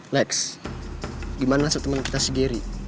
lex gimana setemen kita si geri